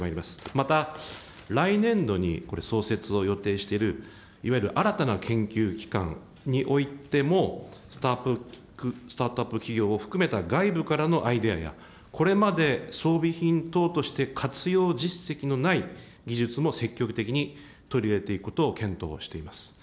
また来年度に、これ創設を予定している、いわゆる新たな研究機関においても、スタートアップ企業を含めた外部からのアイデアや、これまで装備品等として活用実績のない技術も積極的に取り入れていくことを検討しています。